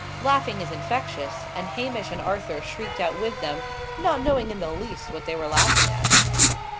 Laughing is infectious, and Hamish and Arthur shrieked out with them, not knowing in the least what they were laughing at.